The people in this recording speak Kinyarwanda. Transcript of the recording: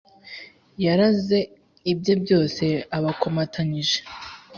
Yaraze ibye byose abakomatanyije